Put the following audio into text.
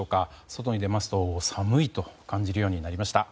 外に出ますと寒いと感じるようになりました。